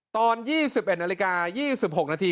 ตอน๒๑นาฬิกา๒๖นาที